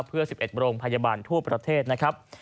เพื่อ๑๑โรงพยาบาลทั่วประเทศนะครับ